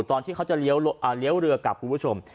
ตอนที่เขาจะเลี้ยวเรือกลับคุณผู้ชม